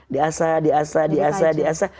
diasah diasah diasah diasah